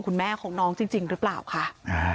ทีนี้ตำรวจส